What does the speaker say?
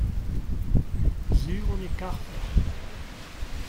sur on e karfec'h.